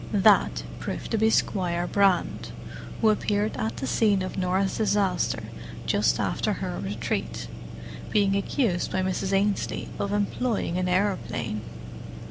"That" proved to be Squire Brand, who had appeared at the scene of Norah's disaster just after her retreat—being accused by Mrs. Ainslie of employing an aeroplane.